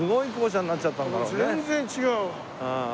全然違う！